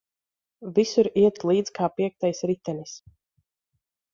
Visur iet līdz kā piektais ritenis.